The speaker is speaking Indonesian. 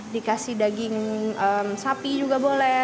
dikasih daging sapi juga boleh